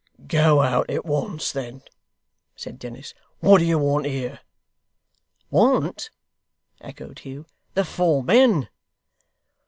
'Go out at once, then,' said Dennis. 'What do you want here?' 'Want!' echoed Hugh. 'The four men.